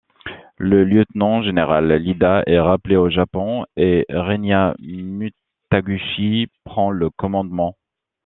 Le lieutenant-général Iida est rappelé au Japon et Renya Mutaguchi prend le commandement.